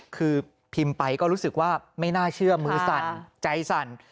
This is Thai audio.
คือพิมพ์ไปก็รู้สึกว่าไม่น่าเชื่อมือสั่นใจสั่น